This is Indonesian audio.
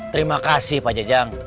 terima kasih pak jejang